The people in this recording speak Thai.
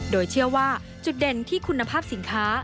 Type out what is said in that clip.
โดยเชื่อว่าจุดเด่นที่คุณภาพสินค้า